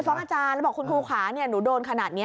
อาจารย์แล้วบอกคุณครูขาหนูโดนขนาดนี้